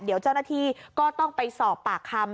เดี๋ยวเจ้าหน้าที่ก็ต้องไปสอบปากคำ